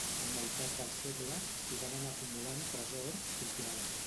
Amb el pas dels segles s'hi van anar acumulant tresors culturals.